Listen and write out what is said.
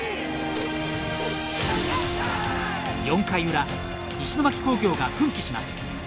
４回裏、石巻工業が奮起します。